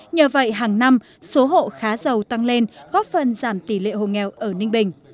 nhờ vậy hàng năm số hộ khá giàu tăng lên góp phần giảm tỷ lệ hộ nghèo ở ninh bình